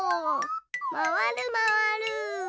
まわるまわる。